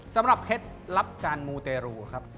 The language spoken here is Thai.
สำหรับเคล็ดลับจานมูเตรูครับ